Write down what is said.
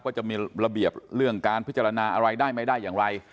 จะมีระเบียบเรื่องการพิจารณาอะไรได้ไม่ได้อย่างไร